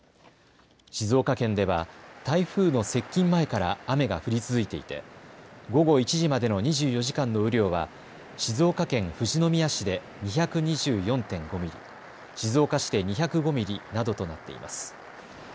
静岡県では台風の接近前から雨が降り続いていて午後１時までの２４時間の雨量は静岡県富士宮市で２２４．５ミリ、静岡市で２０５ミリなどとなっています。